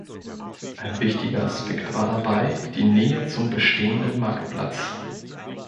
Ein wichtiger Aspekt war dabei die Nähe zum bestehenden Marktplatz.